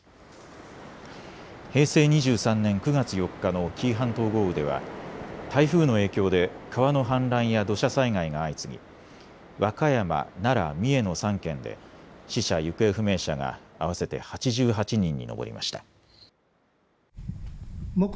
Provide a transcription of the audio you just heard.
平成２３年９月４日の紀伊半島豪雨では台風の影響で川の氾濫や土砂災害が相次ぎ、和歌山、奈良、三重の３県で死者・行方不明者が合わせて８８人に上りました。